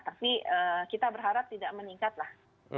tapi kita berharap tidak meningkat lah